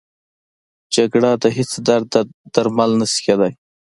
جګړه د هېڅ درد درمل نه شي کېدی